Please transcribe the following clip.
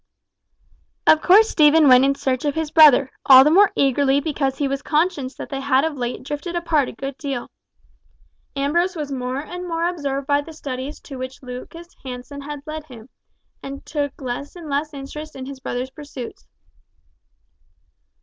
Of course Stephen went in search of his brother, all the more eagerly because he was conscious that they had of late drifted apart a good deal. Ambrose was more and more absorbed by the studies to which Lucas Hansen led him, and took less and less interest in his brother's pursuits.